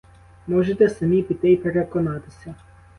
Можете самі піти й переконатися.